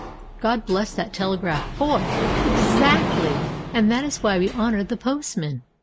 God bless that telegraph boy! Exactly. And that is why we honour the postman.